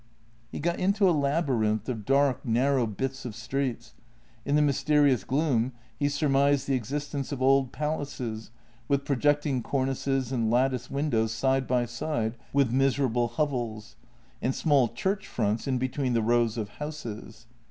He got into a labyrinth of dark, narrow bits of streets — in the mysterious gloom he surmised the existence of old palaces with projecting cornices and lattice windows side by side with miserable hovels, and small church fronts in between the rows of houses.